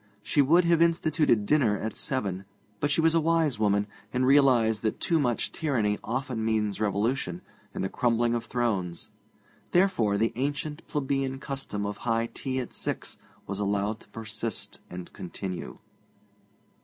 She would have instituted dinner at seven, but she was a wise woman, and realized that too much tyranny often means revolution and the crumbling of thrones; therefore the ancient plebeian custom of high tea at six was allowed to persist and continue.